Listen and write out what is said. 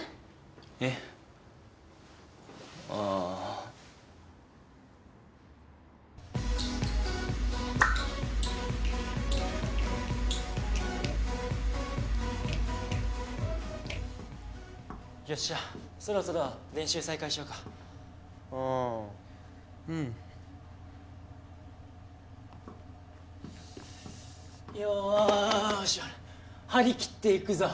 えっあよっしゃそろそろ練習再開しよかああうんよし張り切っていくぞ